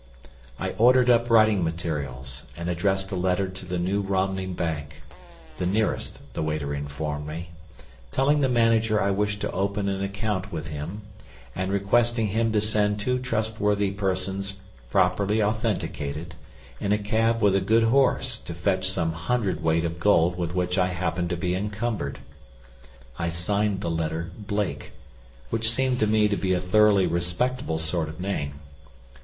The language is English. I ordered up writing materials, and addressed a letter to the New Romney Bank—the nearest, the waiter informed me—telling the manager I wished to open an account with him, and requesting him to send two trustworthy persons properly authenticated in a cab with a good horse to fetch some hundredweight of gold with which I happened to be encumbered. I signed the letter "Blake," which seemed to me to be a thoroughly respectable sort of name.